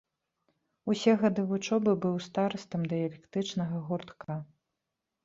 Усе гады вучобы быў старастам дыялекталагічнага гуртка.